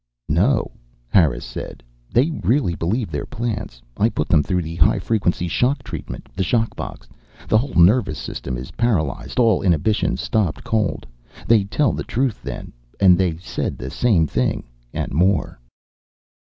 "No," Harris said. "They really believe they're plants. I put them through the high frequency shock treatment, the shock box. The whole nervous system is paralyzed, all inhibitions stopped cold. They tell the truth, then. And they said the same thing and more."